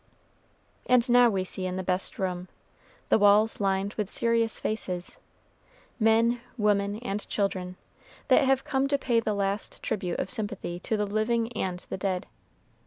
And now we see in the best room the walls lined with serious faces men, women, and children, that have come to pay the last tribute of sympathy to the living and the dead.